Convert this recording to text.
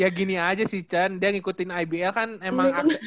ya gini aja sih chan dia ngikutin ibl kan emang